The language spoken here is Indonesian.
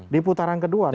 di putaran kedua